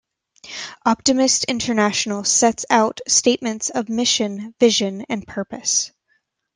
Optimist International sets out statements of mission, vision and purpose.